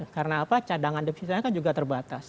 karena apa cadangan devisanya kan juga terbatas